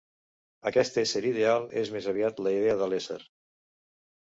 Aquest ésser ideal és més aviat la idea de l'ésser.